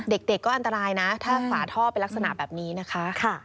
เด็กก็อันตรายนะถ้าฝาท่อเป็นลักษณะแบบนี้นะคะ